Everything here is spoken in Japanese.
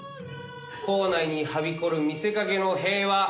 校内にはびこる見せかけの平和。